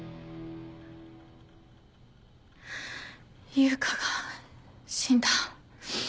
悠香が死んだ。